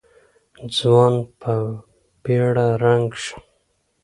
ځوان په بېړه رنګ شو.